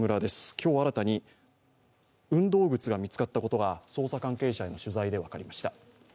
今日新たに運動靴が見つかったことが捜査関係者への取材で分かりました。